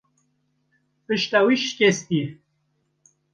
Pişta wî şikestiye.